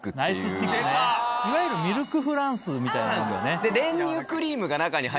いわゆるミルクフランスみたいなもんだよね。